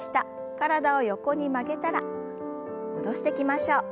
体を横に曲げたら戻してきましょう。